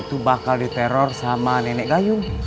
itu bakal diteror sama nenek gayung